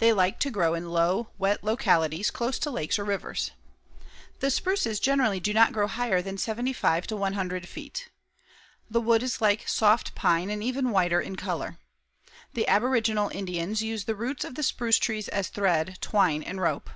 They like to grow in low, wet localities close to lakes or rivers. The spruces generally do not grow higher than 75 100 feet. The wood is soft like pine and even whiter in color. The aboriginal Indians used the roots of the spruce trees as thread, twine and rope.